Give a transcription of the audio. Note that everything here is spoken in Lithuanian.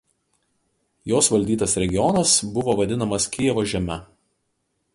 Jos valdytas regionas buvo vadinamas Kijevo žeme.